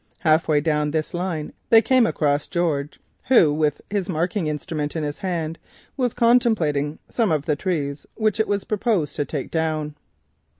Half way down this line they came across George, who, with his marking instrument in his hand, was contemplating some of the trees which it was proposed to take down.